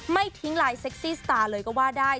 ไม่ทิ้งลายเซ็กซี่สตาร์เลยก็ว่าได้